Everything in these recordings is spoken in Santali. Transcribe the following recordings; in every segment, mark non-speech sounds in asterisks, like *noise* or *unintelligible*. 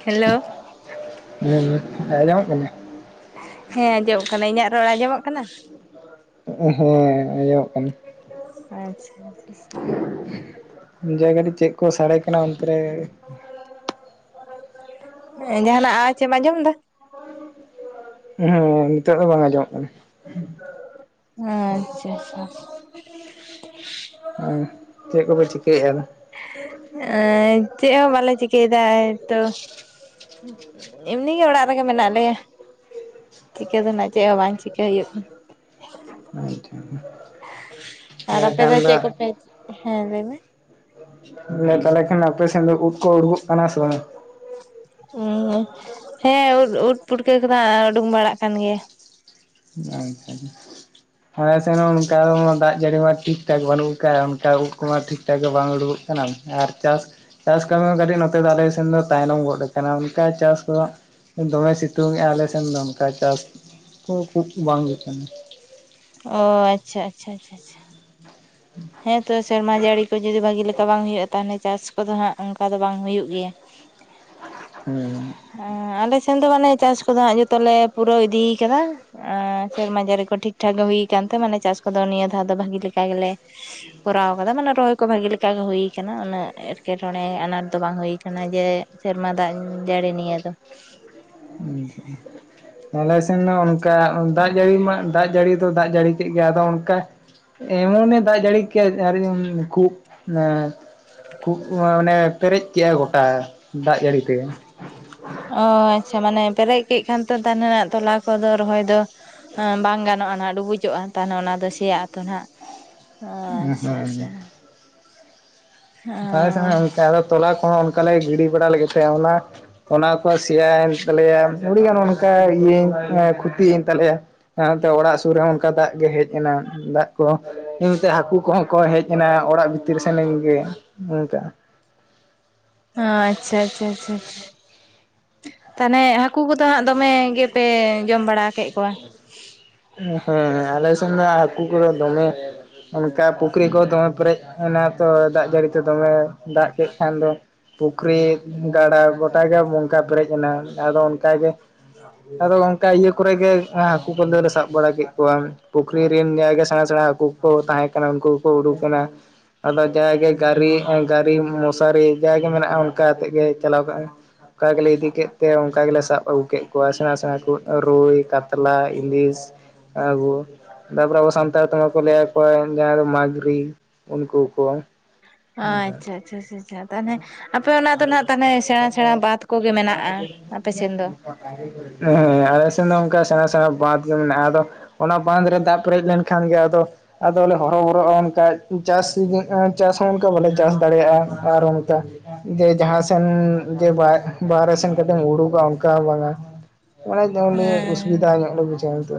ᱦᱮᱞᱳ ᱦᱩᱸ ᱚᱸᱡᱚᱢᱚᱜ ᱠᱟᱱᱟ᱾ ᱦᱮᱸ ᱟᱸᱡᱚᱢ ᱠᱟᱱᱟ ᱤᱧᱟᱹᱜ ᱨᱚᱲ ᱟᱸᱡᱚᱢᱚᱜ ᱠᱟᱱᱟ᱾ ᱦᱮᱸ ᱟᱸᱡᱚᱢᱚᱜ ᱠᱟᱱᱟ᱾ ᱟᱪᱪᱷᱟ᱾ ᱡᱟᱭᱜᱟᱰᱤ ᱪᱮᱜ ᱠᱚ ᱥᱟᱸᱲᱮ ᱠᱟᱱᱟ ᱚᱱᱛᱮ ᱨᱮ ᱮᱸ ᱡᱟᱦᱟᱱᱟᱜ ᱟᱣᱟᱪ ᱮᱢ ᱟᱸᱡᱚᱢ ᱫᱟ᱾ ᱚ *unintelligible* ᱩᱦᱮᱸ ᱱᱤᱛᱚᱜ ᱫᱚ ᱵᱟᱝ ᱟᱸᱡᱚᱢᱚᱜ ᱠᱟᱱᱟ᱾ ᱟᱪᱪᱷᱟ ᱪᱷᱟ᱾ ᱮᱩ ᱪᱮᱜ ᱠᱚᱯᱮ ᱪᱤᱠᱟᱹᱭ ᱭᱮᱜᱟ ᱟᱫᱚ? ᱮ ᱪᱮᱜ ᱦᱚᱸ ᱵᱟᱞᱮ ᱪᱤᱠᱟᱹᱭᱮᱫᱟ ᱛᱚ᱾ ᱮᱢᱱᱤ ᱜᱮ ᱚᱲᱟᱜ ᱨᱮᱜᱮ ᱢᱮᱱᱟᱜ ᱞᱮᱭᱟ ᱪᱤᱠᱟᱹ ᱫᱚ ᱱᱟᱜ ᱪᱮᱜ ᱦᱚᱸ ᱵᱟᱝ᱾ ᱪᱤᱠᱟᱹ ᱦᱩᱭᱩᱜ ᱟᱫᱚ ᱟᱪᱪᱷᱟ ᱠᱟᱱᱟ ᱟᱨ ᱦᱮᱸ ᱟᱯᱮ ᱠᱷᱟᱱ ᱫᱚ ᱪᱮᱜ ᱠᱚᱯᱮ ᱦᱮᱸ ᱞᱟᱹᱭ ᱢᱮ᱾ ᱛᱟᱦᱚᱞᱮ ᱠᱷᱟᱱ ᱟᱯᱮ ᱥᱮᱱ ᱫᱚ ᱩᱫ ᱠᱚ ᱩᱰᱩᱠᱚᱜ ᱠᱟᱱᱟ ᱥᱮ ᱵᱟᱝ᱾ ᱦᱸ ᱦᱮᱸ ᱩᱫ ᱩᱫ ᱯᱩᱴᱠᱟᱹ ᱠᱚᱫᱚ ᱩᱰᱩᱠ ᱵᱟᱲᱟᱜ ᱠᱟᱱ ᱜᱮᱭ-ᱟ᱾ ᱟᱪᱪᱦᱟ᱾ *inaudible* ᱟᱞᱯ ᱥᱮᱱ ᱚᱱᱠᱟ ᱫᱟᱜ ᱡᱟᱹᱲᱤ ᱢᱟ ᱴᱷᱤᱠ ᱴᱷᱟᱠ ᱵᱟᱹᱱᱩᱜ ᱟᱠᱟᱫᱟ ᱚᱱᱠᱟ ᱩᱰ ᱠᱚᱢᱟ ᱴᱷᱤᱠ ᱴᱷᱟᱠ ᱜᱮ ᱵᱟᱝ ᱩᱰᱩᱠᱚᱜ ᱠᱟᱱᱟ᱾ ᱟᱨ ᱪᱟᱥ ᱪᱟᱥ ᱠᱟᱹᱢᱤ ᱦᱚᱸ ᱠᱟᱹᱴᱤᱡ ᱱᱚᱛᱮ ᱫᱚ ᱟᱞᱮ ᱥᱮᱱ ᱫᱚ ᱛᱟᱭᱱᱚᱢ ᱜᱚᱫ ᱟᱠᱟᱱᱟ ᱚᱱᱠᱟ ᱪᱟᱥ ᱠᱚ ᱫᱚᱢᱮ ᱥᱤᱛᱩᱝ ᱮᱼᱟᱭ ᱟᱞᱮ ᱥᱮᱱ ᱫᱚ ᱚᱱᱠᱟ ᱪᱟᱥ ᱠᱷᱩᱵ ᱩᱵ ᱵᱟᱝ ᱞᱮᱠᱟᱜᱮ ᱚ ᱟᱪᱪᱷᱟ ᱟᱪᱷᱟ ᱟᱪᱷᱟ᱾ ᱦᱸ ᱦᱮᱸ ᱛᱚ ᱥᱮᱨᱢᱟ ᱡᱟᱹᱲᱤ ᱠᱳ ᱡᱩᱫᱤ ᱵᱷᱟᱜᱤ ᱞᱮᱠᱟ ᱵᱟᱝ ᱦᱩᱭᱩᱜᱼᱟ ᱛᱟᱦᱚᱞᱮ ᱪᱟᱥ ᱠᱚᱫᱚ ᱦᱟᱸᱜ ᱚᱱᱠᱟ ᱫᱚ ᱵᱟᱝ ᱦᱩᱭᱩᱜ ᱜᱮᱭᱟ᱾ *unintelligible* ᱦᱮᱸ᱾ ᱟᱞᱮ ᱥᱮᱱ ᱫᱚ ᱢᱟᱱᱮ ᱪᱟᱥ ᱠᱚᱫᱚ ᱦᱟᱸᱜ ᱡᱚᱛᱚᱞᱮ ᱯᱩᱨᱟᱹᱣ ᱤᱫᱤ ᱟᱠᱟᱫᱟ᱾ ᱟᱸ ᱥᱮᱨᱢᱟ ᱡᱟᱸᱱᱤ ᱠᱚ ᱴᱷᱤᱠᱴᱷᱟᱠ ᱜᱮ ᱦᱩᱭ ᱟᱠᱟᱱᱛᱮ ᱢᱟᱱᱮ ᱪᱟᱥ ᱠᱚᱫᱚ ᱱᱤᱭᱟᱹ ᱫᱷᱟᱣ ᱫᱚ ᱵᱷᱟᱜᱤ ᱞᱮᱠᱟ ᱜᱮᱞᱮ ᱸ *unintelligible* ᱠᱚᱨᱟᱣ ᱟᱠᱟᱫᱟ ᱢᱟᱱᱮ ᱨᱚᱦᱚᱭ ᱠᱚ ᱵᱷᱟᱜᱮ ᱞᱮᱠᱟ ᱜᱮ ᱦᱩᱭ ᱟᱠᱟᱱᱟ ᱩᱱᱟᱹᱜ ᱮᱴᱠᱮᱴᱚᱬᱮ ᱟᱱᱟᱴ ᱫᱚ ᱵᱟᱝ ᱦᱩᱭ ᱠᱟᱱᱟ ᱡᱮ ᱥᱮᱨᱢᱟ ᱫᱟᱜ ᱡᱟᱹᱲᱤ ᱱᱤᱭᱟᱹ ᱫᱚ᱾ ᱦᱸ᱾ ᱟᱞᱮ ᱥᱮᱱ ᱢᱟ ᱚᱱᱠᱟ ᱫᱟᱜ ᱡᱟᱹᱲᱤ ᱢᱟ ᱫᱟᱜ ᱡᱟᱹᱲᱤ ᱫᱚ ᱫᱟᱜ ᱡᱟᱹᱲᱤ ᱠᱮᱫ ᱜᱮᱭᱟ ᱟᱫᱚ ᱚᱱᱠᱟ ᱮᱢᱚᱱᱮ ᱫᱟᱜ ᱡᱟᱹᱲᱤ ᱠᱮᱜ ᱟ ᱟᱨ ᱠᱷᱩᱵ ᱠᱷᱩᱵ ᱢᱟᱱᱮ ᱯᱮᱨᱮᱡ ᱠᱮᱜᱟᱭ ᱜᱚᱴᱟ ᱫᱟᱜ ᱡᱟᱹᱲᱤᱛᱮ᱾ ᱚ ᱟᱪᱪᱷᱟ ᱢᱟᱱᱮ ᱯᱮᱨᱮᱡ ᱠᱮᱫ ᱠᱷᱟᱱ ᱛᱚ ᱛᱟᱦᱮᱱᱟ ᱛᱚᱞᱟ ᱠᱚᱫᱚ ᱨᱚᱦᱚᱭ ᱫᱚ ᱵᱟᱝ ᱜᱟᱱᱚᱜᱼᱟ ᱱᱟᱜ ᱰᱩᱵᱩᱡᱚᱜᱼᱟ ᱛᱟᱦᱚᱞᱮ ᱚᱱᱟ ᱫᱚ ᱥᱮᱭᱟᱜ ᱟᱛᱚ ᱱᱟᱜ᱾ ᱟᱪᱪᱷᱟ ᱟᱪᱪᱷᱟ᱾ ᱦᱮᱸᱥᱮ ᱚᱱᱠᱟ ᱟᱫᱚ ᱛᱚᱞᱟ ᱠᱚᱦᱚᱸ ᱚᱱᱠᱟᱞᱮ ᱜᱤᱰᱤ ᱵᱟᱲᱟ ᱞᱟᱹᱜᱤᱫ ᱛᱮ ᱚᱱᱟ ᱚᱱᱟ ᱥᱭᱟᱭᱮᱱ ᱛᱟᱞᱮᱭᱟ ᱟᱹᱰᱤᱜᱟᱱ ᱚᱱᱠᱟ ᱤᱭᱟᱹᱧ ᱠᱷᱚᱛᱤᱭᱮᱱ ᱛᱟᱞᱮᱭᱟ᱾ ᱦᱟᱸᱛᱮ ᱚᱲᱟᱜ ᱥᱩᱨ ᱨᱮᱦᱚᱸ ᱚᱱᱠᱟ ᱫᱟᱜ ᱜᱮ ᱦᱮᱡ ᱮᱱᱟ ᱫᱟᱜ᱾ ᱮᱢᱛᱮ ᱦᱟᱹᱠᱩ ᱠᱚᱦᱚᱸ ᱠᱚ ᱦᱮᱡ ᱮᱱᱟ ᱚᱲᱟᱜ ᱵᱷᱤᱛᱤᱨ ᱥᱮᱱ ᱜᱮ᱾ ᱚ ᱟᱪᱪᱷᱟ ᱟᱪᱪᱷᱟ ᱟᱪᱷ ᱛᱟᱦᱚᱞᱮ ᱦᱟᱠᱩ ᱠᱚᱫᱚ ᱦᱟᱸᱜ ᱫᱚᱢᱮ ᱜᱮᱯᱮ ᱡᱚᱢ ᱵᱟᱲᱟ ᱠᱮᱫ ᱠᱚᱣᱟ᱾ ᱦᱮᱸ ᱟᱞᱮ ᱥᱮᱱ ᱫᱚ ᱦᱟᱠᱩ ᱠᱚᱫᱚ ᱫᱚᱢᱮ ᱚᱱᱠᱟ ᱯᱩᱠᱷᱨᱤ ᱠᱚ ᱫᱚᱢᱮ ᱯᱮᱨᱮᱡ ᱮᱱᱟ ᱛᱚ ᱫᱟᱜ ᱡᱟᱹᱲᱤ ᱛᱮ ᱫᱚᱢᱮ ᱫᱟᱜ ᱠᱮᱫ ᱠᱷᱟᱱ ᱫᱚ ᱯᱩᱠᱷᱨᱤ ᱜᱟᱰᱟ ᱜᱚᱴᱟ ᱜᱮ ᱱᱚᱱᱠᱟ ᱯᱮᱨᱮᱡ ᱮᱱᱟ ᱾ᱟᱫᱚ ᱚᱱᱠᱟ ᱜᱮ ᱟᱫᱚ ᱚᱱᱠᱟ ᱤᱭᱟᱹ ᱠᱚᱨᱮ ᱜᱮ ᱦᱟᱹᱠᱩ ᱠᱚ ᱠᱚ ᱥᱟᱵ ᱵᱟᱲᱟ ᱠᱮᱫ ᱠᱚᱣᱟ ᱯᱩᱠᱷᱨᱤ ᱨᱮᱱ ᱡᱟᱭᱜᱟ ᱥᱮᱬᱟ ᱥᱮᱬᱟ ᱦᱟᱹᱠᱩ ᱠᱚ ᱛᱟᱦᱮᱸ ᱠᱟᱱᱟ ᱩᱱᱠᱩ ᱠᱚᱠᱚ ᱩᱰᱩᱠ ᱮᱱᱟ᱾ ᱟᱫᱚ ᱡᱟᱜᱮ ᱜᱟᱨᱤ-ᱜᱟᱨᱤ ᱢᱚᱥᱟᱨᱤ ᱡᱟᱜᱮ ᱢᱮᱱᱟᱜᱼᱟ ᱚᱱᱠᱟ ᱟᱛᱮᱫ ᱜᱮ ᱪᱟᱞᱟᱣ ᱠᱟᱜᱼᱟ᱾ ᱚᱱᱠᱟ ᱜᱮᱞᱮ ᱤᱫᱤ ᱠᱮᱫ ᱛᱮ ᱚᱱᱠᱟ ᱜᱮᱞᱮ ᱥᱟᱵ ᱟᱹᱜᱩ ᱠᱮᱫ ᱠᱚᱣᱟ ᱥᱮᱬᱟ ᱥᱮᱬᱟ ᱠᱚ ᱨᱩᱭ, ᱠᱟᱛ ᱠᱟᱛᱞᱟ, ᱤᱝᱞᱤᱥ, ᱟᱨᱩ᱾ ᱛᱟᱯᱚᱨᱮ ᱟᱵᱚ ᱥᱟᱱᱛᱟᱲ ᱛᱮᱢᱟ ᱠᱚ ᱞᱟᱹᱭ ᱟᱠᱚᱣᱟ ᱡᱟᱦᱟᱸᱭ ᱫᱚ ᱢᱟᱜᱽᱨᱤ ᱩᱱᱠᱩ ᱠᱚ᱾ ᱟᱪᱪᱷᱟ, ᱟᱪᱷᱟ, ᱟᱪᱷᱟ ᱛᱟᱦᱚᱞᱮ ᱟᱯᱮ ᱚᱱᱟ ᱫᱚ ᱱᱟᱜ ᱛᱟᱦᱚᱞᱮ ᱥᱮᱬᱟ ᱥᱮᱬᱟ ᱵᱟᱫ ᱠᱚᱜᱮ ᱢᱮᱱᱟᱜᱼᱟ ᱟᱯᱮ ᱥᱮᱱ ᱫᱚ᱾ ᱦᱮᱸ ᱟᱞᱮ ᱥᱮᱱ ᱫᱚ ᱚᱱᱠᱟ ᱥᱮᱬᱟ ᱥᱮᱬᱟ ᱵᱟᱸᱫ ᱜᱮ ᱢᱮᱱᱟᱜᱼᱟ ᱟᱫᱚ ᱚᱱᱟ ᱵᱟᱸᱫ ᱨᱮ ᱫᱟᱜ ᱯᱮᱨᱮᱡ ᱞᱮᱱᱠᱷᱟᱱ ᱜᱮ ᱟᱫᱚ ᱟᱫᱚ ᱞᱮ ᱦᱚᱨᱚ ᱵᱚᱨᱚᱜᱼᱟ ᱚᱱᱠᱟ ᱪᱟᱥ ᱪᱟᱥ ᱦᱚᱸ ᱚᱱᱠᱟ ᱵᱟᱞᱮ ᱪᱟᱥ ᱫᱟᱲᱮᱭᱟᱜᱼᱟ᱾ ᱟᱨ ᱚᱱᱠᱟ ᱡᱮ ᱡᱟᱦᱟᱸᱥᱮᱱ ᱡᱮ ᱵᱟᱦᱨᱮ ᱥᱮᱱ ᱠᱟᱴᱤᱡ ᱮᱢ ᱩᱰᱩ ᱠᱚᱜ ᱟ ᱚᱱᱠᱟ ᱦᱚᱸ ᱵᱟᱝᱟ᱾ ᱟᱱᱮ ᱚᱥᱩᱵᱤᱫᱟ ᱦᱮᱸ ᱧᱚᱜ ᱞᱮ ᱵᱩᱡᱷᱟᱹᱣᱟ ᱱᱤᱛᱩ᱾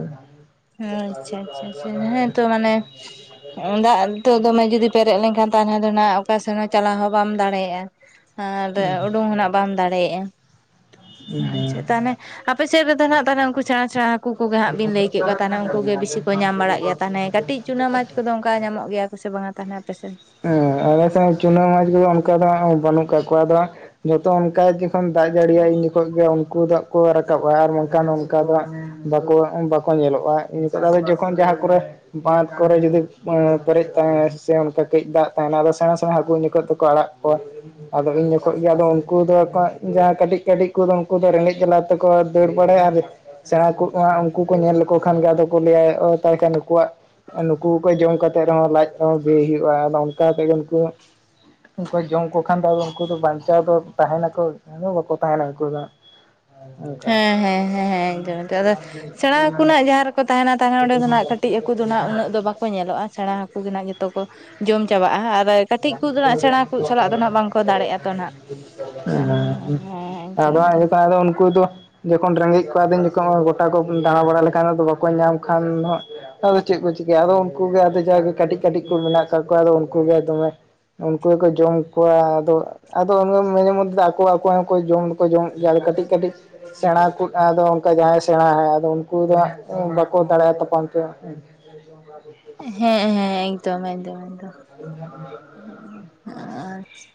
ᱟᱪᱪᱷᱟ ᱟᱪᱪᱷᱟ ᱟᱪᱪᱷᱟ ᱦᱮᱸ *unintelligible* ᱱᱤᱛᱚᱜ ᱫᱚᱢᱮ ᱡᱩᱫᱤ ᱯᱮᱨᱮᱡ ᱞᱮᱱᱠᱷᱟᱱ ᱛᱟᱦᱚᱞᱮ ᱫᱚ ᱱᱦᱟᱜ ᱚᱠᱟ ᱥᱮᱱ ᱦᱚᱸ ᱪᱟᱞᱟᱣ ᱦᱚᱸ ᱵᱟᱢ ᱫᱟᱲᱮᱭᱟᱜᱼᱟ᱾ ᱟᱨ ᱩᱰᱩᱝ ᱦᱚᱸᱱᱟᱜ ᱵᱟᱢ ᱫᱟᱲᱮᱭᱟᱜᱼᱟ᱾ ᱟᱪᱷᱟ ᱦᱮᱸ ᱛᱟᱦᱚᱞᱮ ᱟᱯᱮ ᱥᱮᱫ ᱨᱮᱫᱚ ᱱᱟᱦᱟᱜ ᱛᱟᱦᱞᱮ ᱩᱱᱠᱩ ᱥᱮᱬᱟ ᱥᱮᱬᱟ ᱦᱟᱹᱠᱩ ᱠᱚᱜᱮ ᱦᱟᱸᱜ ᱵᱤᱱ ᱞᱟᱹᱭ ᱠᱮᱜ ᱛᱟᱦᱮᱱᱟ ᱩᱱᱠᱩ ᱜᱮ ᱵᱮᱥᱤ ᱠᱚ ᱧᱟᱢ ᱵᱟᱲᱟᱜ ᱜᱮᱭᱟ ᱛᱟᱦᱮᱸᱱᱟ ᱠᱟᱹᱴᱤᱡ ᱪᱩᱱᱟ ᱢᱟᱪ᱾ ᱠᱚᱫᱚ ᱚᱱᱠᱟ ᱧᱟᱢᱚᱜ ᱜᱮᱭᱟ ᱠᱚ ᱥᱮ ᱵᱟᱝᱟ ᱛᱟᱦᱮᱱᱟ ᱟᱯᱮ ᱥᱮᱱ? ᱦᱮᱸ ᱟᱞᱮ ᱥᱮ ᱦᱚᱸ ᱪᱩᱱᱟᱹ ᱢᱟᱪᱷ ᱠᱚᱫᱚ ᱚᱱᱠᱟ ᱫᱚ ᱦᱟᱸᱜ ᱵᱟᱹᱱᱩᱜ ᱠᱟᱜ ᱠᱚᱣᱟ, ᱟᱫᱚ ᱡᱚᱛᱚ ᱚᱱᱠᱟ ᱡᱚᱠᱷᱚᱱ ᱫᱟᱜ ᱡᱟᱹᱲᱤᱭᱟᱭ ᱤᱱ ᱡᱚᱠᱷᱚᱡ ᱜᱮ ᱩᱱᱠᱩ ᱫᱚᱦᱟᱜ ᱠᱚ ᱨᱟᱠᱟᱵᱼᱟ ᱟᱨ ᱵᱟᱝᱠᱷᱟᱱ ᱚᱱᱠᱟ ᱫᱚ ᱦᱟᱜ ᱵᱟᱠᱚ ᱵᱟᱠᱚ ᱧᱮᱞᱚᱜᱼᱟ ᱱᱤᱛᱚᱜ ᱫᱚ ᱟᱫᱚ ᱡᱚᱠᱷᱚᱱ ᱡᱟᱦᱟᱸ ᱠᱚᱨᱮ ᱵᱟᱸᱫ ᱠᱚᱨᱮ ᱡᱩᱫᱤ ᱮᱸ ᱯᱮᱨᱮᱡ ᱛᱟᱦᱮᱸᱱᱟᱭ ᱥᱮ ᱚᱱᱠᱟ ᱠᱟᱹᱡ ᱫᱟᱜ ᱛᱟᱦᱮᱱᱟ ᱟᱫᱚ ᱥᱮᱬᱟ ᱥᱮᱬᱟ ᱦᱟᱹᱠᱩ ᱩᱱᱡᱚᱠᱷᱟᱹᱡ ᱛᱮᱠᱚ ᱟᱲᱟᱜ ᱠᱚᱣᱟ᱾ ᱟᱫᱚ ᱤᱧ ᱡᱚᱠᱷᱚᱡ ᱜᱮ ᱟᱫᱚ ᱩᱱᱠᱩ ᱫᱚ ᱠᱚᱸᱡ ᱡᱟᱦᱟᱸᱭ ᱠᱟᱹᱴᱤᱡ ᱠᱟᱹᱴᱤᱡ ᱠᱚᱫᱚ ᱩᱱᱠᱩ ᱫᱚ ᱨᱮᱸᱜᱮᱡ ᱡᱟᱞᱟᱛᱼᱼ ᱛᱮᱠᱚ ᱫᱟᱹᱲ ᱵᱟᱲᱟᱭᱟ ᱟᱨ ᱥᱮᱬᱟ *unintelligible* ᱼᱼ ᱠᱩ ᱠᱚ ᱧᱮᱞ ᱞᱮᱠᱚ ᱠᱷᱟᱱ ᱜᱮ ᱟᱫᱚ ᱠᱚ ᱞᱟᱹᱭᱟ ᱚ ᱛᱟᱦᱞᱮ ᱠᱷᱟᱱ ᱱᱩᱠᱩᱣᱟᱜ ᱱᱩᱠᱩ ᱠᱚ ᱡᱚᱢ ᱠᱟᱛᱮ ᱨᱮᱦᱚᱸ ᱞᱟᱡ ᱫᱚ ᱵᱤᱭ ᱦᱩᱭᱩᱜᱼᱟ, ᱟᱫᱚ ᱚᱱᱠᱟ ᱛᱮᱜᱮ ᱩᱱᱠᱩ ᱩᱱᱠᱩ ᱡᱚᱢ ᱠᱚ ᱠᱷᱟᱱ ᱫᱚ ᱟᱫᱚ ᱩᱱᱠᱩ ᱫᱚ ᱵᱟᱧᱪᱟᱣ ᱫᱚ ᱛᱟᱦᱮ ᱱᱟᱠᱚ? ᱟᱫᱚ ᱵᱟᱠᱚ ᱛᱟᱦᱮᱱᱟ ᱩᱱᱠᱩ ᱫᱚ ᱾ ᱦᱮᱸ, ᱦᱮᱸ, ᱦᱮᱸ, ᱦᱮᱸ, ᱮᱠᱫᱚᱢ, ᱮᱫᱚᱢ ᱟᱫᱚ ᱥᱮᱬᱟ ᱦᱟᱠᱚ ᱱᱟᱦᱟᱜ ᱡᱟᱦᱟᱸ ᱨᱮᱠᱚ ᱛᱟᱦᱮᱱᱟ ᱛᱟᱦᱮᱸ ᱚᱸᱰᱮ ᱫᱚ ᱱᱟᱜᱟᱜ ᱠᱟᱹᱴᱼᱼ ᱴᱤᱡ ᱦᱟᱹᱠᱩ ᱫᱚ ᱱᱟᱦᱟᱜ ᱩᱱᱟᱹᱜ ᱫᱚ ᱵᱟᱠᱚ ᱧᱮᱞᱚᱜᱼᱟ ᱥᱮᱬᱟ ᱦᱟᱹᱠᱩ ᱜᱮ ᱱᱟᱦᱟᱜ ᱡᱚᱛᱚ ᱠᱚ ᱡᱚᱢ ᱪᱟᱵᱟᱜᱼᱟ ᱾ᱟᱨ ᱠᱟᱹᱴᱤᱡ ᱠᱚ ᱫᱚ ᱱᱟᱜ ᱥᱮᱬᱟ ᱠᱩᱡ ᱥᱟᱞᱟᱜ ᱫᱚ ᱱᱟᱦᱟᱜ ᱵᱟᱝᱠᱚ ᱫᱟᱲᱮᱜᱼᱟᱛᱚ ᱱᱟᱦᱟᱜ᱾ *unintelligible* ᱦᱮᱸ ᱟᱫᱚ ᱮᱠᱫᱚᱢ ᱦᱟᱸᱜ ᱮᱠᱫᱚᱢ *unintelligible* ᱫᱚ ᱩᱱᱠᱩ ᱫᱚ ᱡᱚᱠᱷᱚᱱ ᱨᱮᱸᱜᱮᱡ ᱠᱚᱣᱟ ᱫᱤᱱ ᱡᱚᱠᱷᱚ ᱦᱚᱸ ᱜᱚᱴᱟ ᱠᱚ ᱫᱟᱬᱟ ᱵᱟᱲᱟ ᱞᱮᱠᱷᱟᱱ ᱟᱫᱚ ᱵᱟᱠᱚ ᱧᱟᱢ ᱠᱷᱟᱱ ᱫᱚ ᱦᱟᱸᱜ ᱟᱫᱚ ᱪᱮᱫ ᱠᱚ ᱪᱤᱠᱟᱹᱭᱟ ᱟᱫᱚ ᱩᱱᱠᱩ ᱜᱮ ᱟᱫᱚ ᱡᱟᱜᱮ ᱠᱟᱴᱤᱡ ᱠᱟᱴᱤᱡ ᱠᱚ ᱢᱮᱱᱟᱜ ᱠᱟᱫ ᱠᱚᱣᱟ ᱟᱫᱚ ᱩᱱᱠᱩ ᱜᱮ ᱫᱚᱢᱮ ᱩᱱᱠᱩ ᱜᱮᱠᱚ ᱡᱚᱢ ᱠᱚᱣᱟ ᱟᱫᱚ ᱟᱫᱚ *unintelligible* ᱢᱚᱫᱽᱫᱷᱮ ᱫᱚ ᱟᱠᱚ ᱟᱠᱚ ᱦᱚᱸ ᱡᱚᱢ ᱫᱚᱠᱚ ᱡᱚᱢᱚᱜ ᱜᱮᱭᱟ ᱠᱟᱹᱴᱤᱡ ᱠᱟᱹᱴᱤᱡ ᱥᱮᱬᱟ ᱠᱩᱡ ᱟᱫᱚ ᱚᱱᱠᱟ ᱡᱟᱦᱟᱸᱟᱭ ᱥᱮᱬᱟ ᱦᱟᱭ ᱟᱫᱚ ᱩᱱᱠᱩ ᱫᱚ ᱮᱸ ᱵᱟᱠᱚ ᱫᱟᱲᱮᱜ-ᱟ ᱛᱟᱯᱟᱢ ᱛᱮ᱾ *unintelligible* ᱦᱮᱸ, ᱦᱮᱸ, ᱮᱠᱫᱚᱢ, ᱮᱠᱫᱚᱢ, ᱮᱠᱫᱚᱢ᱾ ᱟᱨ *inaudible*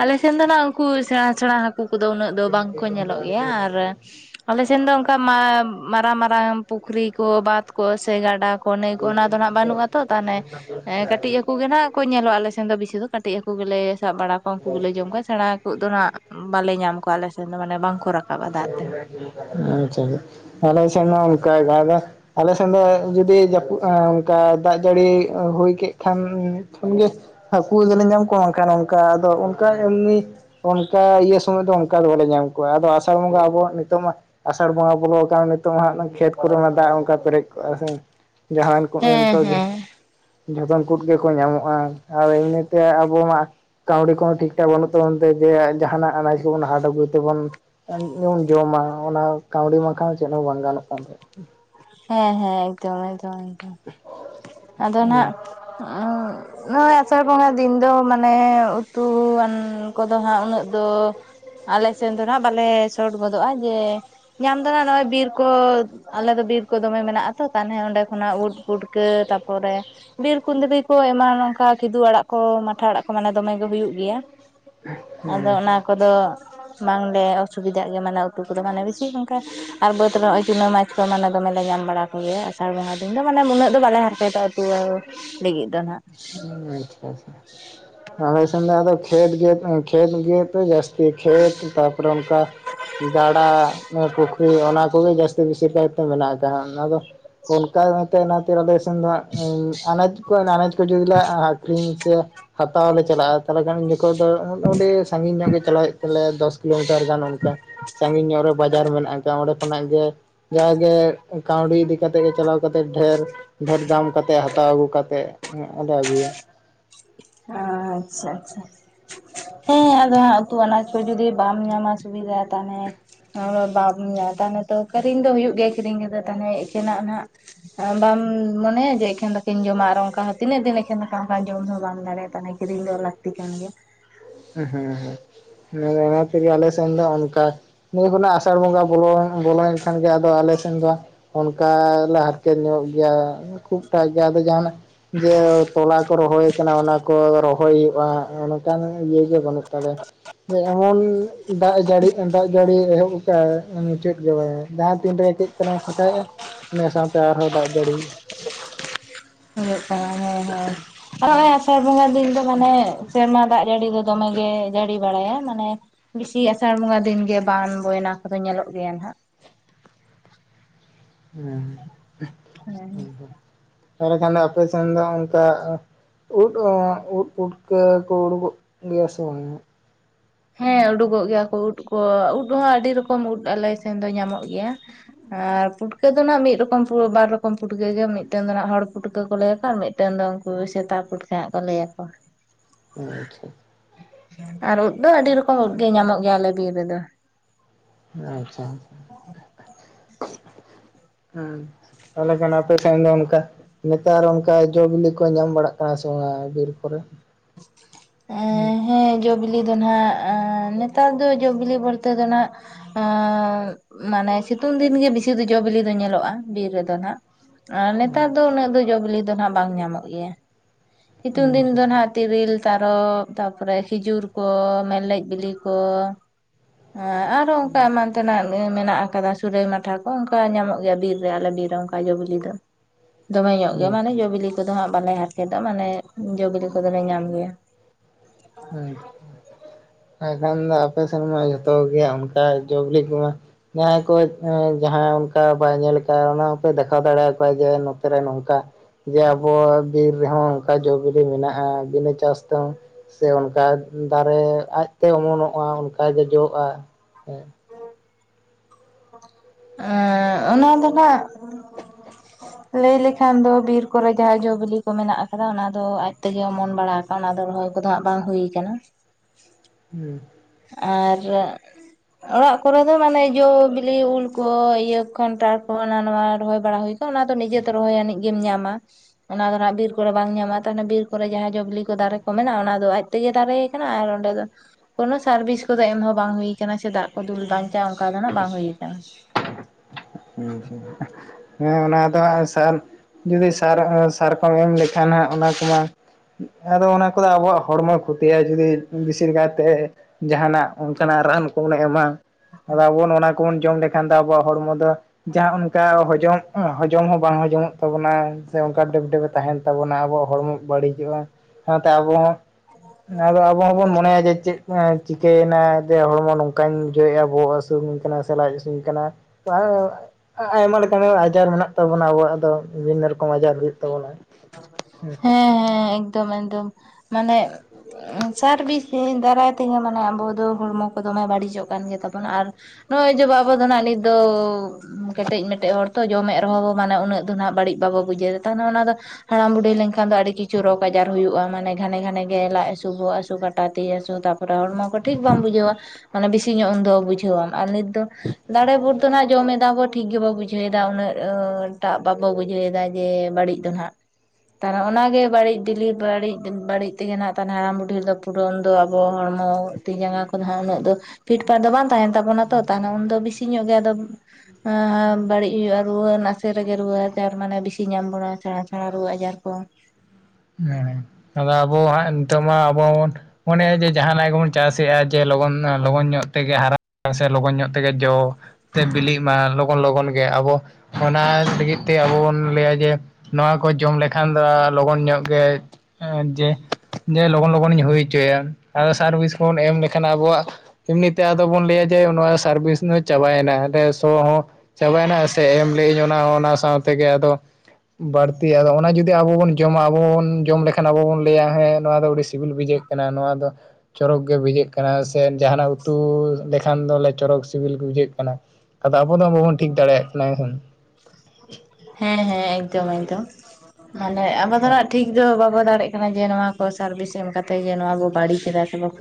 ᱟᱞᱮ ᱥᱮᱱ ᱫᱚ ᱱᱟᱦᱟᱜ ᱩᱱᱠᱩ ᱥᱮᱬᱟ ᱥᱮᱬᱟ ᱦᱟᱹᱠᱩ ᱠᱚᱫᱚ ᱩᱱᱟᱹᱜ ᱫᱚ ᱵᱟᱝ ᱠᱚ ᱧᱮᱞᱚᱜ ᱜᱮᱭᱟ ᱟᱨ ᱟᱞᱮ ᱥᱮᱱ ᱫᱚ ᱚᱱᱠᱟ ᱢᱟ ᱢᱟᱨᱟᱝ, ᱢᱟᱨᱟᱝ ᱯᱩᱠᱷᱨᱤ ᱠᱚ ᱵᱟᱸᱫᱽ ᱠᱚ ᱥᱮ ᱜᱟᱰᱟ ᱠᱚ ᱱᱟᱹᱭ ᱠᱚ ᱚᱱᱟ ᱫᱚ ᱱᱟᱜ ᱵᱟᱹᱱᱩᱜ ᱟᱛᱚ, ᱛᱟᱦᱚᱞᱮ ᱠᱟᱹᱴᱤᱡ ᱦᱟᱹᱠᱩ ᱜᱮ ᱱᱟᱦᱟᱜ ᱠᱚ ᱧᱮᱞᱚᱜᱼᱟ᱾ ᱟᱞᱮᱥᱮᱱ ᱫᱚ ᱵᱮᱥᱤ ᱫᱚ ᱠᱟᱹᱴᱤᱡ ᱦᱟᱹᱠᱩ ᱜᱮᱞᱮ ᱥᱟᱵ ᱵᱟᱲᱟ ᱠᱚᱣᱟ, ᱩᱱᱠᱩ ᱜᱮᱞᱮ ᱡᱚᱢ ᱠᱚᱣᱟ ᱥᱮᱬᱟ ᱠᱩᱜ ᱫᱚ ᱱᱟᱦᱟᱜ ᱵᱟᱞᱮ ᱧᱟᱢ ᱠᱚᱣᱟ, ᱟᱞᱮ ᱥᱮᱱ ᱫᱚ ᱢᱟᱱᱮ ᱵᱟᱝ ᱠᱚ ᱨᱟ ᱟᱪᱪᱷᱟ, ᱟᱞᱮ ᱥᱮᱱ ᱚᱱᱠᱟ ᱜᱮ ᱟᱫᱚ ᱟᱞᱮᱥᱮᱱ ᱫᱚ ᱡᱩᱫᱤ ᱡᱟᱹᱯᱩᱫ ᱚᱱᱠᱟ ᱫᱟᱜ ᱡᱟᱹᱲᱤ ᱦᱩᱭ ᱠᱮᱜ ᱠᱷᱟᱱ ᱩᱱᱜᱮ ᱦᱟᱹᱠᱩ ᱫᱚᱞᱮ ᱧᱟᱢ ᱠᱚᱣᱟ ᱵᱟᱝ ᱠᱷᱟᱱ ᱚᱱᱠᱟ ᱟᱫᱚ, ᱚᱱᱠᱟ ᱮᱢᱱᱤ ᱚᱱᱠᱟ ᱤᱭᱟᱹ ᱥᱚᱢᱚᱭ ᱫᱚ ᱚᱱᱠᱟ ᱫᱚ ᱵᱟᱞᱮ ᱧᱟᱢ ᱠᱚᱣᱟ, ᱟᱫᱚ ᱟᱸᱥᱟᱲ ᱵᱚᱸᱜᱟ ᱟᱵᱚᱣᱟᱜ ᱱᱤᱛᱚᱜ ᱢᱟ ᱟᱸᱥᱟᱲ ᱵᱚᱸᱜᱟ ᱵᱚᱞᱚᱣ ᱟᱠᱟᱱᱟ ᱱᱤᱛᱚᱜ ᱢᱟ ᱦᱟᱸᱜ ᱠᱷᱮᱛ ᱠᱚᱨᱮ ᱢᱟ ᱫᱟᱜ ᱚᱱᱠᱟ ᱯᱮᱨᱮᱡ ᱠᱚᱜᱼᱟ ᱥᱮ ᱾ ᱡᱟᱦᱟᱱ ᱠᱚᱸᱜ ᱦᱮᱸ ᱱᱤᱛᱚᱜ ᱜᱮ ᱾ ᱦᱮᱸ ᱡᱷᱚᱛᱚᱱ ᱠᱩᱴ ᱜᱮᱠᱚ ᱧᱟᱢᱚᱜᱼᱟ, ᱟᱨ ᱤᱱᱟᱹᱛᱮ ᱟᱵᱚ ᱢᱟ ᱠᱟᱣᱰᱤ ᱠᱚᱦᱚᱸ ᱴᱷᱤᱠ ᱴᱷᱟᱠ ᱵᱟᱹᱱᱩᱜ ᱛᱟᱵᱚᱱ ᱛᱮ ᱡᱮ ᱡᱟᱦᱟᱱᱟᱜ ᱟᱱᱟᱡᱽ ᱠᱚᱵᱚᱱ ᱦᱟᱸᱴ ᱟᱹᱜᱩᱭ ᱛᱮᱵᱚᱱ ᱵᱚᱱ ᱡᱚᱢᱟ ᱚᱱᱟ ᱠᱟᱣᱰᱤ ᱢᱟᱠᱷᱟᱱ ᱪᱮᱫ ᱦᱚᱸ ᱵᱟᱝ ᱜᱟᱱᱚᱜ ᱠᱟᱱ ᱛᱟᱦᱮᱸᱡ ᱾ ᱦᱮᱸ, ᱦᱮᱸ ᱮᱠᱫᱚᱢ, ᱮᱠᱫᱚᱢ, ᱮᱠᱫᱚᱢ᱾ ᱟᱫᱚ ᱱᱟᱦᱟᱜ *inaudible* ᱱᱚᱜᱼᱚᱭ ᱟᱸᱥᱟᱲ ᱵᱚᱸᱜᱟ ᱫᱤᱱ ᱫᱚ ᱢᱟᱱᱮ ᱩᱛᱩᱣᱟᱱ ᱠᱚᱫᱚ ᱦᱟᱸᱜ ᱩᱱᱟᱹᱜ ᱫᱚ ᱟᱞᱮ ᱥᱮᱱ ᱫᱚ ᱱᱟᱦᱟᱜ ᱵᱟᱞᱮ ᱥᱚᱴ ᱜᱚᱫᱚᱜᱼᱟ, ᱡᱮ ᱧᱟᱢ ᱫᱚ ᱱᱟᱦᱟᱜ ᱱᱚᱜᱼᱚᱭ ᱵᱤᱨ ᱠᱚ ᱟᱞᱮ ᱫᱚ ᱵᱤᱨ ᱠᱚ ᱫᱚᱢᱮ ᱢᱮᱱᱟᱜᱼᱟ ᱛᱚ, ᱛᱟᱦᱚᱞᱮ ᱚᱸᱰᱮ ᱠᱷᱚᱱᱟᱜ ᱩᱫᱽ ᱯᱩᱴᱠᱟᱹ ᱛᱟᱨᱯᱚᱨᱮ ᱵᱤᱨ ᱠᱩᱸᱫᱽᱨᱤ ᱠᱚ ᱮᱢᱟᱱ ᱱᱚᱝᱠᱟ ᱠᱤᱫᱩ ᱟᱲᱟᱜ ᱠᱚ, ᱢᱟᱛᱷᱟ ᱟᱲᱟᱜ ᱠᱚ ᱢᱟᱱᱮ ᱫᱚᱢᱮ ᱜᱮ ᱦᱩᱭᱩᱜ ᱜᱮᱭᱟ ᱾ ᱟᱫᱚ ᱦᱩᱸ ᱚᱱᱟ ᱠᱚᱫᱚ ᱵᱟᱝ ᱞᱮ ᱚᱥᱩᱵᱤᱫᱟᱜ ᱜᱮᱭᱟ, ᱢᱟᱱᱮ ᱩᱛᱩ ᱠᱚᱫᱚ ᱢᱟᱱᱮ ᱵᱮᱥᱤ ᱚᱱᱠᱟ ᱟᱨ ᱵᱟᱹᱫᱽ ᱨᱮ ᱱᱚᱜᱼᱚᱭ ᱪᱩᱱᱟᱹ ᱢᱟᱪ ᱢᱟᱱᱮ ᱫᱚᱢᱮ ᱧᱟᱢ ᱵᱟᱲᱟ ᱠᱚᱜᱮᱭᱟ᱾ ᱟᱸᱥᱟᱲ ᱵᱚᱸᱜᱟ ᱫᱤᱱ ᱫᱚ ᱢᱟᱱᱮ ᱩᱱᱟᱹᱜ ᱫᱚ ᱵᱟᱞᱮ ᱦᱟᱨᱠᱮᱛᱚᱜ-ᱟ ᱩᱛᱩ ᱞᱤᱜᱤᱜ ᱫᱚ ᱱᱟᱦᱟᱜ᱾ ᱟᱪᱪᱷᱟ, ᱟᱪᱪᱷᱟ᱾ ᱟᱞᱮ ᱥᱮᱱ ᱫᱚ ᱟᱫᱚ ᱠᱷᱮᱛ ᱜᱮ ᱠᱷᱮᱛ ᱜᱮ ᱛᱚ ᱡᱟᱥ ᱠᱷᱮᱛ ᱛᱟᱨᱯᱚᱨᱮ ᱚᱱᱠᱟ ᱜᱟᱰᱟ ᱯᱩᱠᱷᱨᱤ ᱚᱱᱟ ᱠᱚᱜᱮ ᱡᱟᱹᱥᱛᱤ ᱵᱮᱥᱤᱨ ᱵᱷᱟᱜ ᱢᱮᱱᱟᱜ ᱟᱠᱟᱜ ᱦᱟᱸᱜ ᱾ ᱟᱫᱚ ᱚᱱᱠᱟ ᱱᱟᱛᱮ ᱱᱟᱛᱮ ᱟᱞᱮᱥᱮᱱ ᱫᱚ ᱱᱚᱦᱟᱜ ᱟᱱᱟᱪ ᱠᱚ ᱦᱮᱱᱟᱜ ᱟᱱᱟᱪ ᱡᱩᱫᱤᱞᱮ ᱟᱹᱠᱷᱨᱤᱧ ᱥᱮ ᱦᱟᱛᱟᱣ ᱞᱮ ᱪᱟᱞᱟᱜᱼᱟ᱾ ᱛᱟᱦᱚᱞᱮ ᱠᱷᱟᱱ ᱩᱱ ᱡᱚᱠᱷᱚᱭ ᱫᱚ ᱟᱰᱮ ᱥᱟᱺᱜᱤᱧ ᱧᱚᱜ ᱜᱮ ᱪᱟᱞᱟᱣ ᱦᱳᱭᱜ ᱛᱟᱞᱮᱭᱟ, ᱫᱚᱥ ᱠᱤᱞᱳᱢᱤᱴᱟᱨ ᱜᱟᱱ ᱚᱱᱠᱟ ᱾ ᱥᱟᱺᱜᱤᱧ ᱧᱚᱜ ᱨᱮ ᱵᱟᱡᱟᱨ ᱢᱮᱱᱟᱜ ᱠᱟᱜ-ᱟ᱾ ᱚᱸᱰᱮ ᱠᱷᱚᱱᱟᱜ ᱜᱮ᱾ ᱡᱟᱜᱮ ᱠᱟᱹᱣᱰᱤ ᱤᱫᱤ ᱠᱟᱛᱮᱜ ᱜᱮ ᱪᱟᱞᱟᱣ ᱠᱟᱛᱮᱜ, ᱰᱷᱮᱨ ᱰᱷᱮᱨ ᱫᱟᱢ ᱠᱟᱛᱮᱜ ᱦᱟᱛᱟᱣ ᱟᱹᱜᱩ ᱠᱟᱛᱮᱜ ᱦᱮᱸ ᱟᱫᱟ ᱟᱜᱩᱭᱟ ᱾ ᱟᱪᱪᱷᱟ, ᱟᱪᱪᱷᱟ, ᱟᱪᱪᱷᱟ ᱾ ᱦᱮᱸ ᱟᱫᱚ ᱟᱜ ᱩᱛᱩ ᱟᱱᱟᱪ ᱠᱚ, ᱡᱩᱫᱤ ᱵᱟᱢ ᱧᱟᱢᱟ ᱥᱩᱵᱤᱫᱷᱟ ᱛᱟᱦᱚᱞᱮ ᱟᱨ ᱵᱟᱢ ᱧᱟᱢ ᱛᱟᱦᱚᱞᱮ ᱛᱚ ᱠᱤᱨᱤᱧ ᱫᱚ ᱦᱩᱭᱩᱜ ᱜᱮ, ᱠᱤᱨᱤᱧ ᱫᱚ ᱛᱟᱦᱚᱞᱮ ᱮᱠᱮᱱᱟᱜ ᱟ ᱵᱟᱢ ᱢᱚᱱᱮᱭᱟ ᱡᱮ ᱮᱠᱷᱮᱱ ᱫᱟᱠᱟᱧ ᱡᱚᱢᱟ, ᱟᱨ ᱚᱱᱠᱟ ᱦᱚ ᱛᱤᱱᱟᱹᱜ ᱫᱤᱱ ᱮᱠᱷᱮᱱ ᱫᱟᱠᱟ ᱚᱱᱠᱟ ᱡᱚᱢ ᱦᱚᱸ ᱵᱟᱝ ᱫᱟᱲᱮ ᱛᱟᱦᱚᱞᱮ ᱠᱤᱨᱤᱧ ᱫᱚ ᱞᱟᱹᱠᱛᱤᱠᱟᱱ ᱜᱮ᱾ ᱦᱮᱸ, ᱦᱮᱸ ᱱᱚᱣᱟ ᱛᱮᱜᱮ ᱟᱞᱮ ᱥᱮᱱ ᱫᱚ ᱚᱱᱠᱟ ᱱᱤᱭᱟᱹ ᱠᱷᱚᱱᱟᱜ ᱟᱸᱥᱟᱲ ᱵᱚᱸᱜᱟ ᱵᱚᱞᱚᱭᱮᱱ, ᱵᱚᱞᱚᱭᱮᱱ ᱠᱷᱟᱱ ᱜᱮ ᱟᱫᱚ ᱟᱞᱮ ᱥᱮᱱ ᱫᱚ ᱚᱱᱠᱟ ᱞᱮ ᱦᱟᱨᱠᱮᱛ ᱧᱚᱜ ᱜᱮᱭᱟ, ᱠᱷᱩᱵ ᱛᱟᱡᱟ ᱫᱚ ᱡᱟᱦᱟᱱᱟᱜ ᱡᱮ ᱛᱚᱞᱟ ᱠᱚ ᱨᱚᱦᱚᱭ ᱠᱟᱱᱟ ᱚᱱᱟ ᱠᱚ ᱨᱚᱦᱚᱭ ᱦᱩᱭᱩᱜᱼᱟ, ᱚᱱᱚᱠᱟᱱ ᱤᱭᱟᱹ ᱜᱮ ᱵᱟᱹᱱᱩᱜ ᱾ ᱛᱟᱦᱚᱞᱮ ᱮ ᱮᱢᱚᱱ ᱫᱟᱜ ᱡᱟᱹᱲᱤ ᱫᱟᱜ ᱡᱟᱹᱲᱤ ᱮᱦᱚᱵ ᱠᱟᱜᱟᱭ ᱢᱩᱪᱟᱹᱫ ᱜᱮ ᱵᱟᱹᱱᱩᱜ ᱾ ᱡᱟᱦᱟᱸ ᱛᱤᱱ ᱨᱮ ᱠᱟᱹᱴᱤᱡ ᱛᱟᱞᱟᱝ ᱮ ᱯᱷᱟᱸᱠᱟᱭᱮᱜᱼᱟ, ᱤᱱᱟᱹ ᱥᱟᱶᱛᱮ ᱟᱨ ᱦᱚᱸ ᱫᱟᱜ ᱡᱟᱹᱲᱤ᱾ ᱦᱩᱭᱩᱜ ᱠᱟᱱᱟ ᱦᱮᱸ, ᱦᱮᱸ ᱾ ᱛᱟᱦᱚᱞᱮ ᱟᱸᱥᱟᱲ ᱵᱚᱸᱜᱟ ᱫᱤᱱ ᱫᱚ ᱾ ᱢᱟᱱᱮ ᱥᱮᱨᱢᱟ ᱫᱟᱜ ᱡᱟᱲᱤ ᱫᱚ ᱫᱚᱢᱮ ᱜᱮᱭ ᱡᱟᱲᱤ ᱵᱟᱲᱟᱭᱟ ᱢᱟᱱᱮ ᱵᱤᱥᱤ ᱟᱥᱟᱲ ᱵᱚᱸᱜᱟ ᱫᱤᱱᱜᱮ ᱵᱟᱝ ᱵᱚᱭᱱᱟ ᱠᱚᱫᱚ ᱧᱮᱞᱚᱜ ᱜᱮᱭᱟ ᱱᱟᱸᱜ᱾ ᱦᱮᱸ ᱦᱮᱸ ᱦᱩᱸ ᱦᱩᱸ ᱛᱟᱦᱚᱞᱮ ᱠᱷᱟᱱ ᱫᱚ ᱟᱯᱮ ᱥᱮᱱ ᱫᱚ ᱚᱝᱠᱟ ᱩᱫ ᱚ ᱩᱫ ᱯᱩᱴᱠᱟᱹ ᱠᱚ ᱩᱲᱩᱠᱚᱜ ᱜᱮᱭᱟ ᱥᱮ ᱵᱟᱝ? ᱦᱮᱸ ᱩᱰᱩᱠᱚᱜ ᱜᱮᱭᱟ ᱠᱚ ᱩᱫ ᱠᱚ ᱩᱫ ᱦᱚᱸ ᱟᱹᱰᱤ ᱨᱚᱠᱚᱢ ᱩᱫ ᱟᱞᱮ ᱥᱮᱱ ᱫᱚ ᱧᱟᱢᱚᱜ ᱜᱮᱭᱟ᱾ ᱟᱨ ᱯᱩᱴᱠᱟᱹ ᱫᱚ ᱱᱟᱸᱜ ᱢᱤᱫ ᱨᱚᱠᱚᱢ ᱵᱟᱨ ᱨᱚᱠᱚᱢ ᱯᱩᱴᱠᱟᱹ ᱜᱮ ᱢᱤᱫᱴᱟᱱ ᱫᱚ ᱱᱟᱜ ᱦᱚᱲ ᱯᱩᱴᱠᱟᱹ ᱠᱚ ᱞᱟᱹᱭᱟᱠᱚ ᱟᱨ ᱢᱤᱜ ᱴᱟᱹᱱ ᱫᱚ ᱩᱱᱠᱩ ᱥᱮᱛᱟ ᱯᱩᱴᱠᱟᱹ ᱦᱟᱸᱜ ᱠᱚ ᱞᱟᱹᱭ ᱟᱠᱚ, *inaudible* *unintelligible* ᱟᱨ ᱩᱫ ᱫᱚ ᱟᱹᱰᱤ ᱨᱚᱠᱚᱢ ᱩᱫ ᱜᱮ ᱧᱟᱢᱚᱜ ᱜᱮᱭᱟ ᱟᱞᱮ ᱵᱤᱨ ᱨᱮᱫᱚ᱾ ᱟᱪᱪᱷᱟ᱾ *unintelligible* *unintelligible* ᱦᱩᱸ ᱛᱟᱦᱚᱞᱮ ᱠᱷᱟᱱ ᱟᱯᱮ ᱥᱮᱱ ᱫᱚ ᱚᱱᱠᱟ ᱱᱮᱛᱟᱨ ᱚᱱᱠᱟ ᱡᱚ-ᱵᱤᱞᱤ ᱠᱚ ᱧᱟᱢ ᱵᱟᱲᱟᱜ ᱠᱟᱱᱟ ᱥᱮ ᱵᱟᱝ ᱵᱤᱨ ᱠᱚᱨᱮ? ᱮ ᱦᱮᱸ ᱡᱚ ᱵᱤ ᱵᱤᱞᱤ ᱫᱚᱱᱦᱟᱜ ᱟᱸ ᱱᱮᱛᱟᱨ ᱫᱚ ᱡᱚᱼᱵᱤᱞᱤ ᱵᱚᱞᱛᱮ ᱫᱚ ᱱᱟᱜ ᱮᱻ ᱢᱟᱱᱮ ᱥᱤᱛᱩᱝ ᱫᱤᱱᱜᱮ ᱵᱤᱥᱤ ᱫᱚ ᱡᱚ ᱵᱤᱞᱤ ᱫᱚ ᱧᱮᱞᱚᱜ-ᱟ ᱵᱤᱨ ᱨᱮᱫᱚ ᱱᱟᱜ᱾ ᱟᱨ ᱱᱮᱛᱟᱨ ᱫᱚ ᱩᱱᱟᱹᱜ ᱫᱚ ᱡᱚ ᱵᱤᱞᱤ ᱫᱚ ᱱᱟᱜ ᱵᱟᱝ ᱧᱟᱢᱚᱜ ᱜᱮᱭᱟ, ᱥᱤᱛᱩᱝ ᱫᱤᱱ ᱟᱪᱪᱷᱟ ᱫᱚ ᱱᱟᱜ ᱛᱤᱨᱤᱞ ᱛᱟᱨᱚᱵᱯ ᱛᱟᱯᱚᱨᱮ ᱠᱷᱤᱡᱩᱨ ᱠᱚ ᱢᱮᱞᱮᱜ ᱵᱤᱞᱤ ᱠᱚ᱾ ᱦᱮᱸ ᱟᱨᱦᱚᱸ ᱚᱝᱠᱟ ᱮᱢᱟᱱ ᱚᱱᱠᱟᱱᱟᱜ ᱢᱮᱱᱟᱜ ᱟᱠᱟᱫᱟ ᱥᱩᱨᱟᱹᱭ ᱢᱟᱴᱷᱟ ᱠᱚ ᱚᱝᱠᱟ ᱧᱟᱢᱚᱜ ᱜᱮᱭᱟ ᱵᱤᱨ ᱨᱮ ᱟᱞᱮ ᱵᱤᱨ ᱨᱮ ᱚᱝᱠᱟ ᱡᱚ-ᱵᱤᱞᱤ ᱫᱚ᱾ ᱫᱚᱢᱮ ᱧᱚᱜ ᱜᱮ ᱢᱟᱱᱮ ᱡᱚ ᱵᱤᱞᱤ ᱠᱚᱫᱚ ᱦᱟᱸᱜ ᱵᱟᱞᱮ ᱦᱟᱨᱠᱮᱫᱚᱜ-ᱟ ᱢᱟᱱᱮ ᱡᱚ-ᱵᱤᱞᱤ ᱠᱚᱫᱚᱞᱮ ᱧᱟᱢ ᱜᱮᱭᱟ᱾ ᱦᱩᱸ ᱦᱩᱸ ᱮᱱᱠᱷᱟᱱ ᱫᱚ ᱟᱯᱮ ᱥᱮᱱ ᱢᱟ ᱡᱦᱚᱛᱚ ᱜᱮ ᱚᱱᱠᱟ ᱡᱚ-ᱵᱤᱞᱤ ᱠᱚᱢᱟ ᱡᱟᱦᱟᱸᱭ ᱠᱚ ᱡᱟᱦᱟ ᱚᱱᱠᱟ ᱵᱟᱭ ᱧᱮᱞ ᱠᱟ ᱚᱱᱟ ᱦᱚᱸᱯᱮ ᱫᱮᱠᱷᱟᱣ ᱫᱟᱲᱮᱭ ᱟᱠᱚᱣᱟ ᱡᱮ ᱱᱚᱛᱮᱨᱮ ᱱᱚᱝᱠᱟ ᱡᱮ ᱟᱵᱚᱣᱟᱜ ᱵᱤᱨ ᱨᱮᱦᱚᱸ ᱚᱝᱠᱟ ᱡᱚ ᱵᱤᱞᱤ ᱢᱮᱱᱟᱜ-ᱟ ᱵᱤᱱᱟᱹ ᱪᱟᱥ ᱛᱮᱦᱚᱸ ᱥᱮ ᱚᱱᱠᱟ *inaudible* ᱫᱟᱨᱮ ᱟᱡᱛᱮ ᱚᱢᱚᱱᱚᱜ-ᱟ ᱚᱱᱠᱟ ᱜᱮ ᱡᱚᱜ-ᱟ᱾ ᱮ ᱚᱱᱟ ᱫᱚ ᱱᱟᱜ ᱞᱮᱭ ᱞᱮᱠᱷᱟᱱ ᱫᱚ ᱵᱤᱨ ᱠᱚᱨᱮ ᱡᱟᱦᱟᱸ ᱡᱚ ᱵᱤᱞᱤ ᱠᱚ ᱢᱮᱱᱟᱜ ᱟᱠᱟᱫᱟ ᱚᱱᱟ ᱫᱚ ᱟᱡ ᱛᱮᱜᱮ ᱚᱢᱚᱱ ᱵᱟᱲᱟ ᱟᱠ ᱚᱱᱟ ᱫᱚ ᱨᱚᱦᱚᱭ ᱠᱚᱫᱚ ᱦᱟᱸᱜ ᱵᱟᱝ ᱦᱩᱭ ᱠᱟᱱᱟ᱾ ᱦᱩᱸ, ᱟᱨ ᱚᱲᱟᱜ ᱠᱚᱨᱮ ᱫᱚ ᱢᱟᱱᱮ ᱡᱚ ᱵᱤᱞᱤ ᱩᱞ ᱠᱚ ᱤᱭᱟᱹ ᱠᱷᱟᱱᱴᱟᱬ ᱠᱚ ᱦᱟᱱᱟ ᱱᱚᱣᱟ ᱨᱚᱦᱚᱭ ᱵᱟᱲᱟ ᱦᱩᱭ ᱚᱱᱟ ᱫᱚ ᱱᱤᱡᱮᱛᱮ ᱨᱚᱦᱚᱭ ᱟᱹᱱᱤᱡ ᱜᱮᱢ ᱧᱟᱢᱟ᱾ ᱚᱱᱟ ᱫᱚ ᱱᱟᱜ ᱵᱤᱨ ᱠᱚᱨᱮ ᱵᱟᱝ ᱧᱟᱢᱟ-ᱟ ᱛᱚ ᱦᱟᱱᱮ ᱵᱤᱨ ᱠᱚᱨᱮ ᱡᱟᱦᱟᱸ ᱡᱚᱵᱤᱞᱤ ᱠᱚ ᱫᱟᱨᱮ ᱠᱚ ᱢᱮᱱᱟᱜ-ᱟ ᱚᱱᱟ ᱫᱚ ᱟᱡ ᱛᱮᱜᱮ ᱫᱟᱨᱮ ᱟᱠᱟᱱᱟ ᱟᱨ ᱚᱸᱰᱮ ᱫᱚ ᱠᱳᱱᱳ ᱥᱟᱨᱵᱷᱤᱥ ᱠᱚᱫᱚ ᱮᱢᱦᱚᱸ ᱵᱟᱝ ᱦᱩᱭ ᱟᱠᱟᱱᱟ ᱥᱮ ᱫᱟᱜ ᱠᱩ ᱫᱩᱞ ᱵᱟᱧᱪᱟᱣ ᱚᱱᱠᱟ ᱫᱚ ᱱᱟᱜ ᱵᱟᱝ ᱦᱩᱭ ᱟᱠᱟᱱᱟ᱾ *unintelligible* ᱦᱮᱸ ᱚᱱᱟ ᱫᱚ ᱦᱟᱸᱜ ᱥᱟᱱ ᱡᱩᱫᱤ ᱥᱟᱨ ᱥᱟᱨ ᱠᱚᱢ ᱮᱢ ᱞᱮᱠᱷᱟᱱ ᱦᱟᱸᱜ ᱚᱱᱟ ᱠᱚᱢᱟ ᱟᱫᱚ ᱚᱱᱟ ᱠᱚᱫᱚ ᱟᱵᱚᱣᱟᱜ ᱦᱚᱬᱢᱚᱭ ᱠᱷᱩᱛᱤᱟᱭ ᱡᱩᱫᱤ ᱵᱤᱥᱤᱨ ᱠᱟᱭᱛᱮ ᱡᱟᱦᱟᱸᱱᱟᱜ ᱚᱱᱠᱟᱱᱟᱜ ᱨᱟᱱ ᱠᱩ ᱵᱚᱱ ᱮᱴᱟᱜᱼᱟ, ᱟᱫᱚ ᱟᱵᱚ ᱚᱱᱟ ᱠᱚᱵᱚᱱ ᱡᱚᱢ ᱞᱮᱠᱷᱟᱱ ᱫᱚ ᱟᱵᱚᱣᱟᱜ ᱦᱚᱲᱢᱚ ᱫᱚ ᱡᱟ ᱚᱱᱠᱟ ᱦᱚᱡᱚᱢ ᱚᱸ ᱦᱚᱡᱚᱢ ᱦᱚᱸ ᱵᱟᱝ ᱦᱚᱡᱚᱢᱚᱜ ᱛᱟᱵᱚᱱᱟ ᱥᱮ ᱚᱱᱠᱟ ᱰᱮᱵ ᱰᱮᱵᱮ ᱛᱟᱦᱮᱱ ᱛᱟᱵᱚᱱᱟ ᱟᱵᱚᱣᱟᱜ ᱦᱚᱬᱢᱚ ᱵᱟᱹᱲᱤᱡᱚᱜ-ᱟ᱾ ᱥᱟᱣᱛᱮ ᱟᱵᱩ ᱦᱚᱸ *unintelligible* ᱟᱫᱚ ᱟᱵᱚ ᱦᱚᱸᱵᱚᱱ ᱢᱚᱱᱮᱭᱟ ᱡᱮ ᱪᱮᱫ ᱪᱤᱠᱟᱹᱭᱮᱱᱟ ᱡᱮ ᱦᱚᱲᱢᱚ ᱱᱚᱝᱠᱟᱧ ᱵᱩᱡᱷᱟᱹᱣᱮᱫᱼᱟ ᱵᱚᱦᱚᱜ ᱦᱟᱹᱥᱩᱤᱧ ᱠᱟᱱᱟ᱾ ᱥᱮ ᱞᱟᱡ ᱦᱟᱹᱥᱩᱭᱮ ᱠᱟᱱᱟ᱾ ᱟᱭᱢᱟ ᱞᱮᱠᱟᱱᱟᱜ ᱟᱡᱟᱨ ᱢᱮᱱᱟᱜ ᱛᱟᱵᱚᱱᱟ ᱟᱵᱚᱣᱟᱜ ᱫᱚ ᱵᱤᱵᱷᱤᱱᱚ ᱨᱚᱠᱚᱢ ᱟᱡᱟᱨ ᱦᱩᱭᱩᱜ ᱛᱟᱵᱚᱱᱟ᱾ ᱦᱮᱸ ᱦᱮᱸ ᱮᱠᱫᱚᱢ ᱮᱫᱚᱢ ᱢᱟᱱᱮ ᱥᱟᱨᱵᱤᱥ ᱫᱟᱨᱟᱭ ᱛᱮᱜᱮ ᱢᱟᱱᱮ ᱟᱵᱚ ᱫᱚ ᱦᱚᱲᱢᱚ ᱠᱚ ᱫᱚᱢᱮ ᱵᱟᱹᱲᱤᱡᱚᱜ ᱠᱟᱱ ᱜᱮᱛᱟᱵᱚᱱᱟ ᱟᱨ ᱱᱚᱜᱼᱚᱭ ᱡᱮ ᱵᱟᱵᱟ ᱫᱚᱱᱟᱜ ᱱᱤᱫ ᱫᱚ ᱠᱮᱴᱮᱡ ᱢᱮᱴᱮᱡ ᱦᱚᱲ ᱛᱚ ᱡᱚᱢᱮᱫ ᱨᱮᱦᱚᱸᱵᱚ ᱢᱟᱱᱮ ᱩᱱᱟᱹᱜ ᱫᱚᱱᱟᱸᱜ ᱵᱟᱹᱲᱤᱜ ᱵᱟᱵᱚᱱ ᱵᱩᱡᱷᱟᱹᱣᱫᱟ ᱛᱟᱦᱚᱱᱮ ᱚᱱᱟᱫᱚ ᱦᱟᱲᱟᱢ ᱵᱩᱰᱷᱤ ᱞᱮᱱᱠᱷᱟᱱ ᱫᱚ ᱟᱹᱰᱤ ᱠᱤᱪᱷᱩ ᱨᱳᱜ ᱟᱡᱟᱨ ᱦᱩᱭᱩᱜᱼᱟ ᱢᱟᱱᱮ ᱜᱷᱟᱱᱮ ᱜᱷᱟᱱᱮ ᱜᱮ ᱞᱟᱡ ᱦᱟᱹᱥᱩ ᱵᱚᱦᱚᱜ ᱦᱟᱹᱥᱩ ᱠᱟᱴᱟᱛᱤ ᱦᱟᱹᱥᱩ ᱛᱟᱨᱯᱚᱨ ᱦᱚᱲᱢᱚ ᱠᱚ ᱴᱷᱤᱠᱷ ᱵᱟᱢ ᱵᱩᱡᱷᱟᱹᱣᱟ ᱢᱟᱱᱮ ᱵᱤᱥᱤ ᱧᱚᱜ ᱩᱱᱫᱚ ᱵᱩᱡᱷᱟᱹᱣᱟᱢ ᱟᱨ ᱱᱤᱛ ᱫᱚ ᱫᱟᱬᱮ ᱵᱷᱳᱨ ᱛᱚᱱᱟᱜ ᱡᱚᱢ ᱮᱫᱟᱵᱚ ᱴᱷᱤᱠ ᱜᱮᱵᱚ ᱵᱩᱡᱷᱟᱹᱣᱮᱫᱟ ᱩᱱᱟᱹᱜ ᱴᱟᱜ ᱵᱟᱵᱚ ᱵᱩᱡᱷᱟᱹᱣᱮᱫᱟ ᱩᱱᱟᱹᱜᱴᱟᱜ ᱵᱟᱵᱚ ᱵᱩᱡᱷᱟᱣᱮᱫᱟ ᱡᱮ ᱵᱟᱹᱲᱤᱡ ᱫᱚᱦᱟᱜ ᱛᱟᱦᱮᱞᱮ ᱚᱱᱟᱜᱮ ᱵᱟᱹᱲᱤᱡ ᱰᱮᱞᱤ ᱵᱟᱹᱲᱤᱡ ᱵᱟᱹᱲᱤᱡ ᱛᱮᱜᱮ ᱱᱟᱜ ᱦᱟᱲᱟᱢ ᱵᱩᱰᱷᱤ ᱨᱮᱫᱚ ᱯᱩᱨᱟᱹ ᱩᱱᱫᱚ ᱟᱵᱚ ᱦᱚᱲᱢᱚ ᱛᱤ ᱡᱟᱸᱜᱟ ᱠᱚᱫᱚᱦᱟᱸᱜ ᱩᱱᱟᱹᱜ ᱫᱚ ᱯᱷᱤᱴ ᱯᱷᱟᱴ ᱫᱚ ᱵᱟᱝ ᱛᱟᱦᱮᱱ ᱛᱟᱵᱚᱱᱟ ᱛᱚ ᱛᱟᱵᱮ ᱩᱱᱫᱚ ᱵᱮᱥᱤ ᱧᱚᱜ ᱜᱮ ᱟᱫᱚ ᱮᱸ ᱦᱟᱸ ᱵᱟᱹᱲᱤᱡ ᱦᱩᱭᱩᱜᱼᱟ ᱨᱩᱣᱟᱹ ᱱᱟᱥᱮ ᱨᱟᱹᱜᱮ ᱨᱩᱣᱟᱹᱟᱡᱟᱨ ᱢᱟᱱᱮ ᱵᱤᱥᱤ ᱧᱟᱢ ᱵᱚᱱᱟ ᱪᱟᱲ ᱦᱮ ᱸ ᱟ ᱨᱩᱣᱟᱹ ᱟᱡᱟᱨ ᱠᱚ ᱦᱮᱸ ᱦᱮᱸ ᱟᱫᱚ ᱟᱵᱚ ᱦᱟᱸᱜ ᱱᱤᱛᱚᱜ ᱢᱟ ᱟᱵᱚ ᱵᱚᱱ ᱚᱱᱮ ᱡᱮ ᱡᱟᱦᱟᱱᱟᱜ ᱜᱮᱵᱚᱱ ᱪᱟᱥᱮᱜᱼᱟ ᱡᱮ ᱞᱚᱜᱚᱱ ᱞᱚᱜᱚᱱ ᱧᱚᱜ ᱛᱮᱜᱮ ᱦᱟᱨᱟ ᱥᱮ ᱞᱚᱜᱚᱱ ᱧᱚᱜ ᱛᱮᱜᱮ ᱡᱚ ᱛᱮ ᱵᱤᱞᱤᱜ ᱢᱟ ᱞᱚᱜᱚᱱ ᱞᱚᱜᱚᱱ ᱜᱮ ᱟᱵᱚ ᱚᱱᱟ ᱞᱟᱹᱜᱤᱫ ᱛᱮ ᱟᱵᱚ ᱵᱚᱱ ᱞᱟᱹᱭᱟ ᱡᱮ ᱱᱚᱣᱟ ᱠᱚ ᱡᱚᱢ ᱞᱮᱠᱷᱟᱱ ᱫᱚ ᱞᱚᱜᱚᱱ ᱧᱚᱜ ᱜᱮ ᱡᱮ ᱞᱚᱜᱚᱱ ᱞᱚᱜᱚᱱ ᱤᱧ ᱦᱩᱭᱪᱚᱭᱟ ᱟᱨ ᱥᱟᱨᱵᱤᱥ ᱠᱚᱵᱚᱱ ᱮᱢ ᱞᱮᱠᱷᱟᱱ ᱟᱵᱚᱣᱟᱜ ᱮᱢᱱᱤ ᱛᱮ ᱟᱫᱚ ᱵᱚᱱ ᱞᱟᱹᱭᱟ ᱡᱮ ᱱᱚᱣᱟ ᱥᱟᱨᱵᱤᱥ ᱢᱟ ᱪᱟᱵᱟᱭᱮᱱᱟ ᱥᱚ ᱦᱚᱸ ᱪᱟᱵᱟᱭᱮᱱᱟ ᱥᱮ ᱮᱢ ᱞᱟᱭᱹᱧᱚ ᱚᱱᱟ ᱚᱱᱟ ᱥᱟᱶᱛᱮ ᱜᱮ ᱟᱫᱚ ᱵᱟᱹᱲᱛᱤᱼᱟ ᱟᱫᱚ ᱚᱱᱟ ᱡᱩᱫᱤ ᱟᱵᱚᱵᱚᱱ ᱡᱚᱢᱟ ᱵᱚᱱ ᱡᱚᱢ ᱞᱮᱠᱷᱟᱱ ᱟᱵᱚᱵᱚᱱ ᱞᱟᱹᱭᱟ ᱦᱮᱸ ᱱᱚᱣᱟ ᱫᱚ ᱟᱹᱰᱤ ᱥᱤᱵᱤᱞ ᱵᱩᱡᱟᱹᱜ ᱠᱟᱱᱟ ᱱᱚᱣᱟ ᱫᱚ ᱪᱚᱨᱚᱠᱷ ᱜᱮ ᱵᱩᱡᱷᱟᱹᱜ ᱠᱟᱱᱟ ᱥᱮ ᱡᱟᱦᱟᱱᱟᱜ ᱩᱛᱩ ᱞᱮᱠᱷᱟᱱ ᱫᱚᱞᱮ ᱪᱚᱨᱚᱠᱷ ᱥᱤᱵᱤᱞ ᱜᱤ ᱵᱩᱡᱷᱟᱹᱜ ᱠᱟᱱᱟ᱾ ᱟᱫᱚ ᱟᱵᱚ ᱫᱚ ᱵᱟᱵᱚᱱ ᱴᱷᱤᱠ ᱫᱟᱲᱮᱭᱟᱜ ᱠᱟᱱᱟ ᱦᱮᱥᱮ ᱦᱮᱸ ᱦᱮᱸ ᱮᱠᱫᱚᱢ ᱮᱠᱫᱚᱢ ᱢᱟᱱᱮ ᱟᱵᱚ ᱫᱚ ᱦᱟᱜ ᱴᱷᱤᱠ ᱫᱚ ᱵᱟᱵᱚᱱ ᱫᱟᱲᱮ ᱡᱮ ᱱᱟᱣᱟᱠᱚ ᱥᱟᱨᱵᱤᱥ ᱮᱢ ᱠᱟᱛᱮᱡ ᱱᱚᱣᱟ ᱵᱚ ᱵᱟᱲᱤᱡ ᱮᱫᱟ ᱥᱮᱵᱚ ᱠᱷᱚᱛᱤ